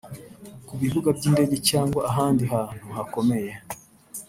Ku bibuga by’indege cyangwa ahandi hantu hakomeye